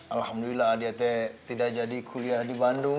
alhamdulillah dia teh tidak jadi kuliah di bandung